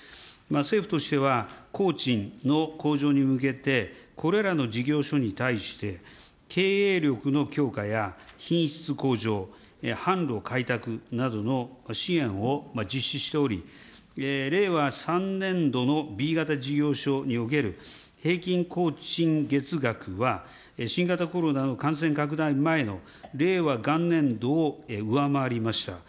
政府としては、工賃の向上に向けて、これらの事業所に対して、経営力の強化や、品質向上、販路開拓などの支援を実施しており、令和３年度のＢ型事業所における、平均工賃月額は、新型コロナの感染拡大前の令和元年度を上回りました。